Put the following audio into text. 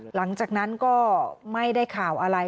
หลังจากนั้นก็ไม่ได้ข่าวอะไร